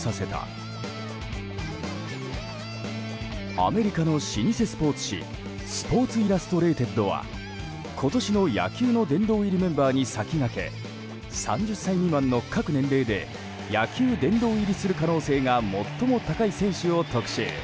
アメリカの老舗スポーツ紙「スポーツ・イラストレイテッド」は今年の野球の殿堂入りメンバーに先駆け３０歳未満の各年齢で野球殿堂入りする可能性が最も高い選手を特集。